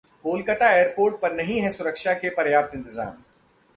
Kolkata airport पर नहीं हैं सुरक्षा के पर्याप्त इंतजाम